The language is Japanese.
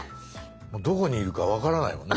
もうどこにいるか分からないもんね